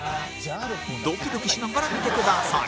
ドキドキしながら見てください